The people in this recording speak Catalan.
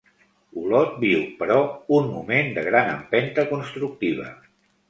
Olot viu, però, un moment de gran empenta constructiva.